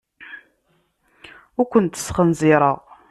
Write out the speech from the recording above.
Ur kent-sxenzireɣ.